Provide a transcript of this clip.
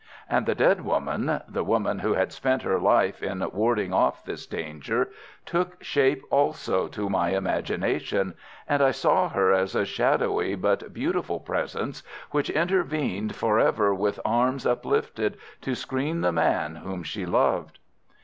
And the dead woman, the woman who had spent her life in warding off this danger, took shape also to my imagination, and I saw her as a shadowy but beautiful presence which intervened for ever with arms uplifted to screen the man whom she loved.